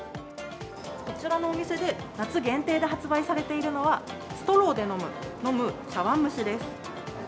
こちらのお店で夏限定で発売されているのは、ストローで飲む茶碗蒸しです。